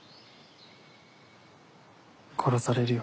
殺されるよ